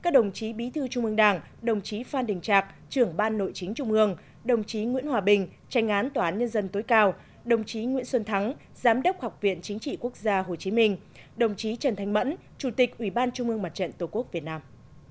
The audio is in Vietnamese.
các đồng chí bí thư trung ương đảng đồng chí phan đình trạc trưởng ban nội chính trung ương đồng chí nguyễn hòa bình tranh án tòa án nhân dân tối cao đồng chí nguyễn xuân thắng giám đốc học viện chính trị quốc gia hồ chí minh đồng chí trần thanh mẫn chủ tịch ủy ban trung mương mặt trận tổ quốc việt nam